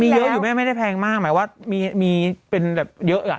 มีเยอะอยู่แม่ไม่ได้แพงมากหมายว่ามีเป็นแบบเยอะอ่ะ